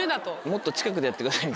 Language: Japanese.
「もっと近くでやってください」。